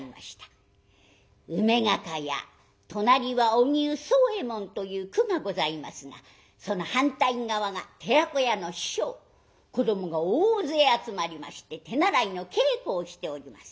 「梅が香や隣は荻生惣右衛門」という句がございますがその反対側が寺子屋の師匠子どもが大勢集まりまして手習いの稽古をしております。